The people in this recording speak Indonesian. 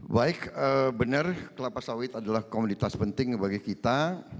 baik benar kelapa sawit adalah komoditas penting bagi kita